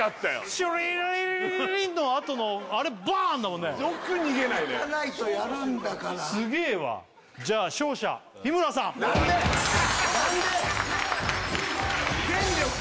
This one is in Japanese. シュリリリリリリンのあとのあれバーンだもんねよく逃げないねいかないとやるんだからすげえわじゃあ勝者日村さん何で？何で？